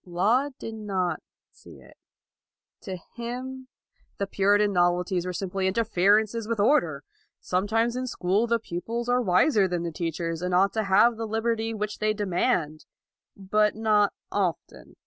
Laud did not see it. To him the Puritan novelties were simply interferences with order. Sometimes in school the pupils are wiser than the teachers and ought to have the liberty which they demand: but not often.